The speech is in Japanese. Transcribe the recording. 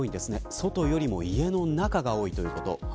外より家の中が多いということ。